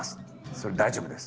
それで大丈夫です。